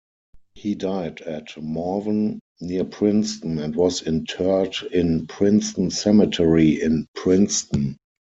He died at Morven, near Princeton, and was interred in Princeton Cemetery in Princeton.